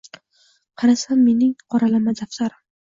Qarasam, mening qoralama daftarim